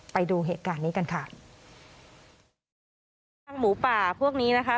ไปดูเหตุการณ์นี้กันค่ะทางหมูป่าพวกนี้นะคะ